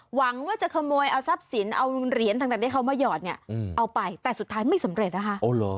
หวังว่าจะขโมยเอาทรัพย์สินเอาเหรียญต่างที่เขามาหยอดเนี่ยเอาไปแต่สุดท้ายไม่สำเร็จนะคะ